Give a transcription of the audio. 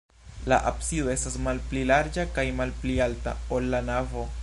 La absido estas malpli larĝa kaj malpli alta, ol la navo.